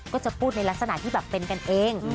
ก็จะพูดในลักษณะที่แบบเป็นกันเอง